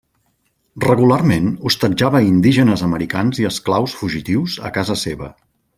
Regularment hostatjava indígenes americans i esclaus fugitius a casa seva.